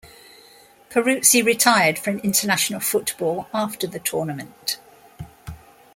Peruzzi retired from international football after the tournament.